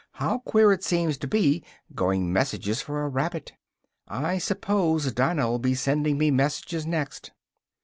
How queer it seems to be going messages for a rabbit! I suppose Dinah'll be sending me messages next!"